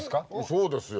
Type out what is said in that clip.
そうですよ。